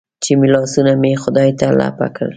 چې لاسونه مې خدای ته لپه کړل.